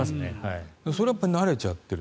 それはやっぱり慣れちゃっている。